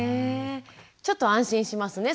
ちょっと安心しますね